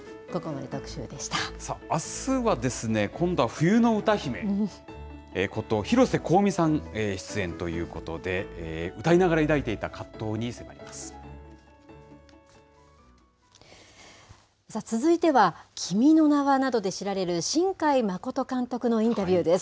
さあ、あすはですね、今度は冬の歌姫こと広瀬香美さん、出演ということで、歌いながら抱いて続いては、君の名は。などで知られる新海誠監督のインタビューです。